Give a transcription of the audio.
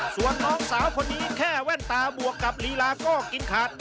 ส่วนน้องสาวคนนี้แค่แว่นตาบวกกับลีลาก็กินขาด